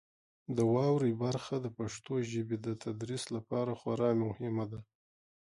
د واورئ برخه د پښتو ژبې د تدریس لپاره خورا مهمه ده.